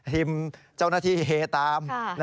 ฮิมเจ้าหน้าที่เฮตาม